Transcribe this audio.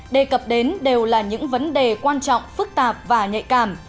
đề cập đến đều là những vấn đề quan trọng phức tạp và nhạy cảm